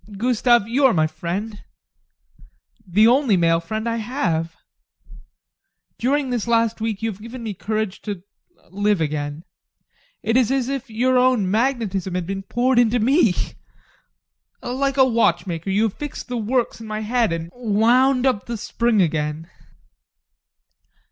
Gustav, you are my friend. The only male friend I have. During this last week you have given me courage to live again. It is as if your own magnetism had been poured into me. Like a watchmaker, you have fixed the works in my head and wound up the spring again.